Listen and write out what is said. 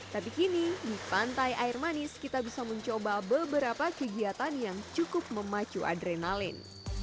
tapi kini di pantai air manis kita bisa mencoba beberapa kegiatan yang cukup memacu adrenalin